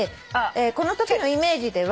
このときのイメージでは。